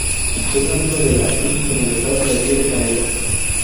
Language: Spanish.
Es nativa de Brasil, en el Estado de Río de Janeiro.